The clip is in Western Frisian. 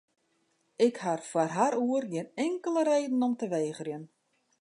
Ik ha foar har oer gjin inkelde reden om te wegerjen.